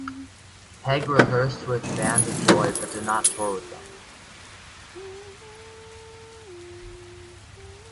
Pegg rehearsed with Band of Joy but did not tour with them.